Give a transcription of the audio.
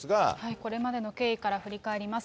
これまでの経緯から振り返ります。